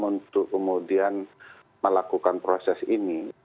untuk kemudian melakukan proses ini